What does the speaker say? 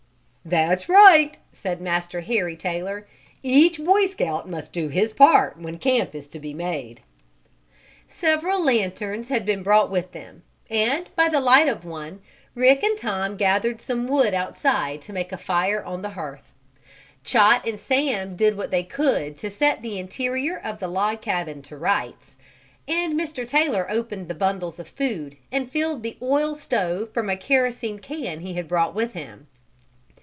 "That's right," said Master Harry Taylor, "each Boy Scout must do his part when camp is to be made." Several lanterns had been brought with them, and, by the light of one, Rick and Tom gathered some wood outside to make a fire on the hearth. Chot and Sam did what they could to set the interior of the log cabin to rights, and Mr. Taylor opened the bundles of food and filled the oil stove from a kerosene can he had brought with him.